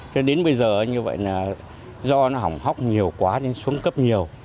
cho đến bây giờ như vậy là do nó hỏng hóc nhiều quá nên xuống cấp nhiều